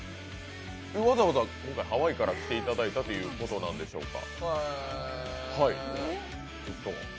わざわざハワイから来ていただいたということなんでしょうか？